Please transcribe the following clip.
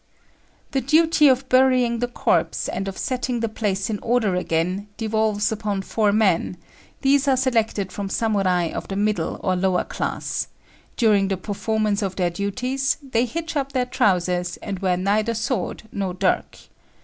The duty of burying the corpse and of setting the place in order again devolves upon four men; these are selected from Samurai of the middle or lower class; during the performance of their duties, they hitch up their trousers and wear neither sword nor dirk.